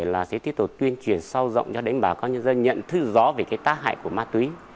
là sẽ tiếp tục tuyên truyền sâu rộng cho đánh bảo các nhân dân nhận thư rõ về tác hại của ma túy